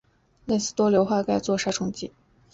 类似的多硫化钙用作杀虫剂。